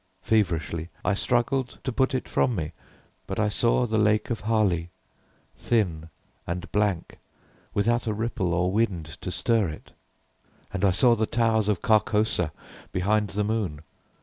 Feverishly I struggled to put it from me, but I saw the lake of Hali, thin and blank, without a ripple or wind to stir it, and I saw the towers of Carcosa behind the moon.